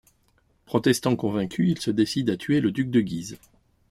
Protestant convaincu, il se décide à tuer le duc de Guise.